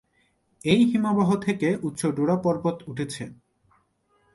এই হিমবাহ থেকে উচ্চ ডোডা পর্বত উঠেছে।